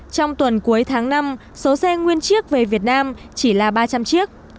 trong tuần cuối tháng năm số xe nguyên chiếc về việt nam chỉ là ba trăm linh chiếc